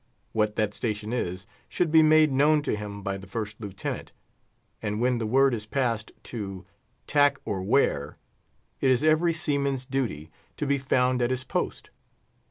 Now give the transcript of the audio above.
What that station is, should be made known to him by the First Lieutenant; and when the word is passed to tack or wear, it is every seaman's duty to be found at his post.